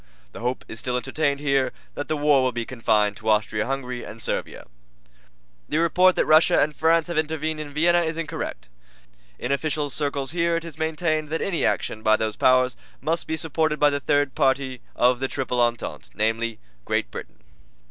The hope is still entertained here that the war will be confined to Austria Hungary and Servia. The report that Russia and France have intervened in Vienna is incorrect. In official circles here it is maintained that any action by those powers must be supported by the third party to the Triple Entente, namely, Great Britain.